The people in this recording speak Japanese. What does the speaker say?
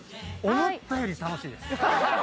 思ったより楽しいです。